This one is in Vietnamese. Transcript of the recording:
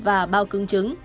và bao cưng trứng